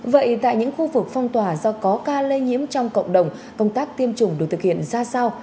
vậy tại những khu vực phong tỏa do có ca lây nhiễm trong cộng đồng công tác tiêm chủng được thực hiện ra sao